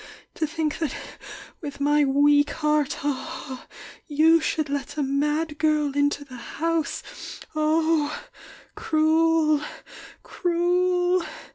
To think i&t with my weak heart, you should let a mad girl into the house! Oh cruel, cruel!